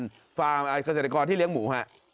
คาเศรษฐกรที่เลี้ยงหมู